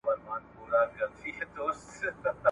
نه په سمه مځکه بند وو، نه په شاړه !.